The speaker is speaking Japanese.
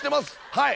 はい。